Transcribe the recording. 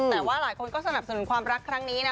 แต่ว่าหลายคนก็สนับสนุนความรักครั้งนี้นะ